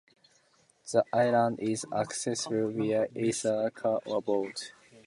The island is accessible via either car or boat.